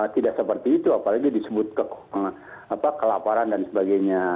tidak seperti itu apalagi disebut kelaparan dan sebagainya